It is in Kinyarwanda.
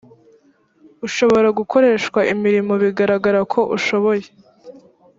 ushobora gukoreshwa imirimo bigaragara ko ushoboye